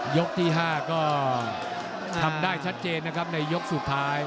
ยกที่๕ก็ทำได้ชัดเจนนะครับในยกสุดท้าย